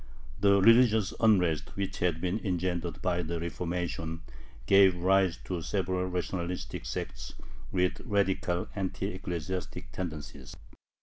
The religious unrest which had been engendered by the Reformation gave rise to several rationalistic sects with radical, anti ecclesiastic tendencies.